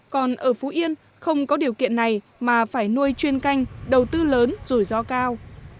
còn ở phú yên không có điều kiện này mà phải nuôi chuyên canh đầu tư lớn rủi ro cao